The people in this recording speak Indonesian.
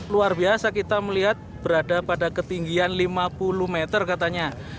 luar biasa kita melihat berada pada ketinggian lima puluh meter katanya